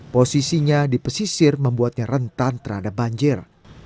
posisinya di pesisir membuatnya rentan terhadap banjir